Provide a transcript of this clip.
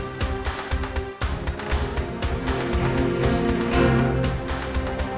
sharpenangan per certaines usuk nortek